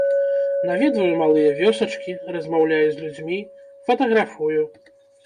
Наведваю малыя вёсачкі, размаўляю з людзьмі, фатаграфую.